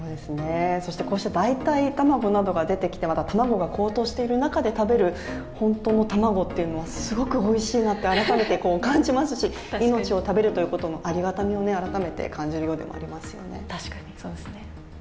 こうした代替などが出てきて、卵が高騰している中で食べる本当の卵というのは、すごくおいしいなと改めて感じますし、命を食べるということのありがたみを改めて感じるようでもありますね。